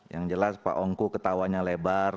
yang jelas pak ongko ketawanya lebar